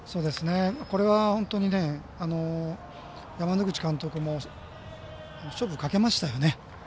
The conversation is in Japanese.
これは山之口監督も勝負をかけましたよね。